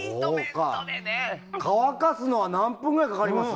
乾かすのは何分ぐらいかかります？